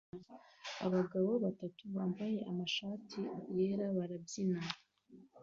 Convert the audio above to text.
Abagabo batatu bambaye amashati yera barabyina